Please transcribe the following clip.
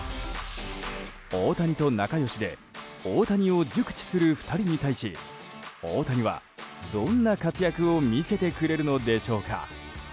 大谷と仲良しで大谷を熟知する２人に対し大谷はどんな活躍を見せてくれるのでしょうか。